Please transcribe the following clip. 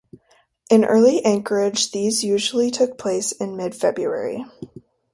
In early Anchorage, these usually took place in mid-February.